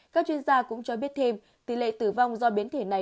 các chuyên gia cũng cho biết thêm tỷ lệ tử vong do biến thể này